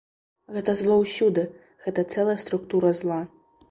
Гэта зло ўсюды, гэта цэлая структура зла.